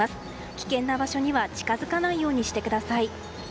危険な場所には近づかないようにしてください。